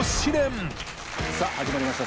さぁ始まりました